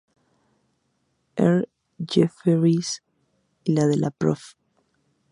R. Jefferies y de la Prof.